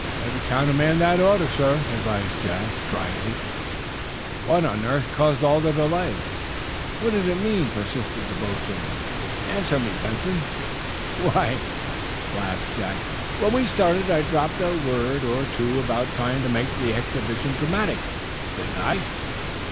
"Better countermand the order, air," advised Jack, dryly. "But what on earth caused all the delay? What did it mean?" persisted the boatbuilder. "Answer me, Benson." "Why," laughed Jack, "when we started, I dropped a word or two about trying to make the exhibition dramatic, didn't I?"